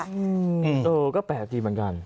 เออก็แปลกดีเหมือนกัน